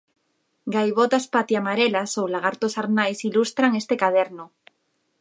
Gaivotas patiamarelas ou lagartos arnais ilustran este caderno.